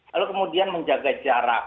lalu kemudian menjaga jarak